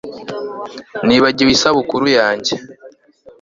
Nibagiwe isabukuru yanjye